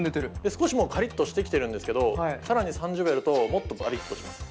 少しカリッとしてきているんですけど更に３０秒やるともっとバリッとします。